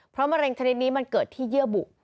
เพราะมะเร็งชนิดนี้มันเกิดที่เยื่อบุ